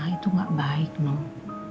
itu gak baik noh